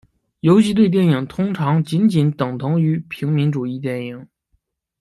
游击队电影通常仅仅等同于平民主义电影。